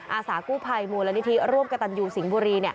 อาสากู้ภัยมูลนิธิร่วมกระตันยูสิงห์บุรี